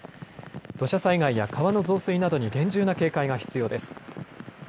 土砂災害や川の増水などに厳重な警戒が必要です。